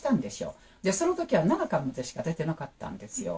その時は７巻までしか出てなかったんですよ。